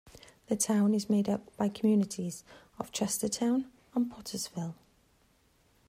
The town is made up by communities of Chestertown and Pottersville.